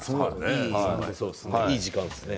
いい時間ですね。